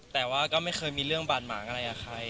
แต่ว่าก็ไม่เคยมีเรื่องบาดหมางอะไรกับใคร